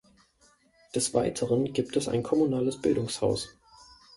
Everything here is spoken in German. Des Weiteren gibt es ein kommunales Bildungshaus.